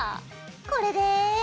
これで。